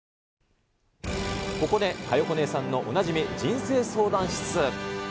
ここで、佳代子姉さんのおなじみ人生相談室。